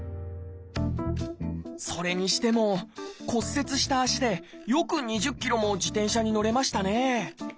それにしても骨折した脚でよく２０ｋｍも自転車に乗れましたね